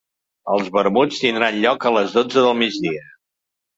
El vermuts tindran lloc a les dotze del migdia.